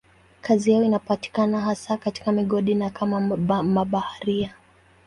Kazi yao inapatikana hasa katika migodi na kama mabaharia.